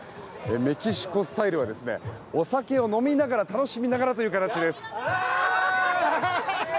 メキシコスタイルはお酒を飲みながら楽しみながらという形です。